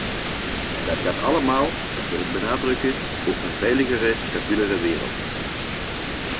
En dat gaat allemaal, dat wil ik benadrukken, over een veiligere, stabielere wereld.